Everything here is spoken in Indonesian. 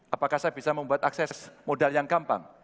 apakah saya bisa membuat akses modal yang gampang